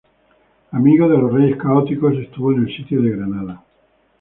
Amigo de los Reyes Católicos, estuvo en el sitio de Granada.